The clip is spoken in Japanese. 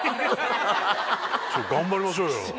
頑張りましょうよ。